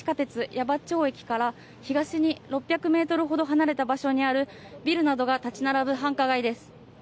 矢場町駅から、東に６００メートルほど離れた場所にある、ビルなどが建ち並ぶ繁華街です。